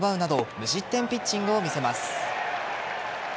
無失点ピッチングを見せます。